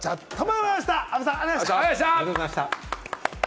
あべさん、ありがとうございました。